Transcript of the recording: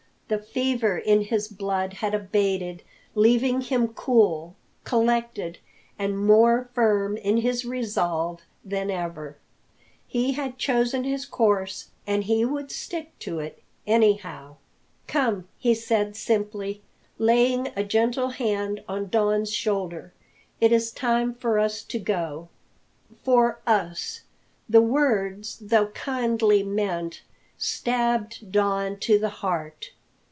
The fever in his blood had abated, leaving him cool, collected, and more firm in his resolve than ever. He had chosen his course and he would stick to it, anyhow! "Come," he said simply, laying a gentle hand on Don's shoulder, "it is time for us to go." "For us!" The words, though kindly meant stabbed Don to the heart.